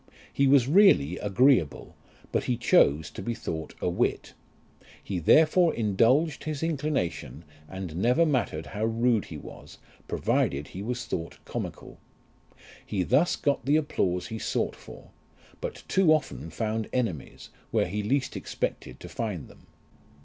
He was really agreeable, but he chose to be thought a wit : he therefore indulged his inclination, and never mattered how rude he was, provided he was thought comical. He thus got the applause he sought for ; but too often found enemies, where he least expected to find them.